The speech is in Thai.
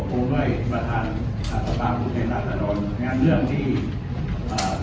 พอแล้วล่ะนะครับจิตกรรมอ่าน้าต้อนรับมาสินะว่าอ่า